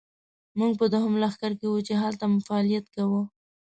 موږ په دوهم لښکر کې وو، چې هلته مو فعالیت کاوه.